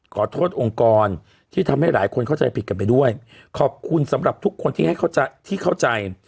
ขอโทษองค์กรที่ทำให้หลายคนเข้าใจผิดกันไปด้วยขอบคุณสำหรับทุกคนที่ให้เข้าใจที่เข้าใจ